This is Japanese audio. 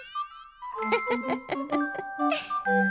フフフフ。